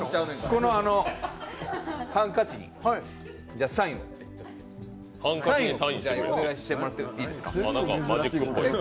このハンカチにサインをお願いしてもらっていいですか？